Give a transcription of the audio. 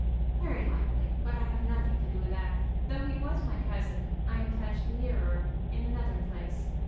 "Very likely. But I have nothing to do with that. Though he was my cousin, I am touched nearer in another place.